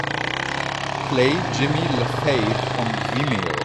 Play Jimmy Lafave on Vimeo.